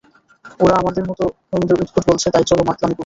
ওরা আমাদের উদ্ভট বলেছে, তাই চলো মাতলামো করি।